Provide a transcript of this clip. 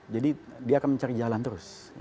jadi dia akan mencari jalan terus